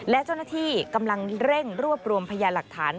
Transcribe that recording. และเจ้าหน้าที่กำลังเร่งรวบรวมพยาหลักฐาน